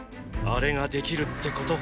あれができるってこと。